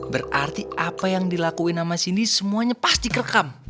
berarti apa yang dilakuin sama cinti semuanya pasti kerekam